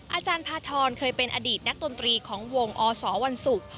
อาจารย์พาทรเคยเป็นอดีตนักดนตรีของวงอสวันศุกร์